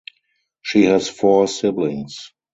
She has four siblings.